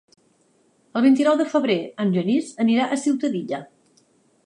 El vint-i-nou de febrer en Genís anirà a Ciutadilla.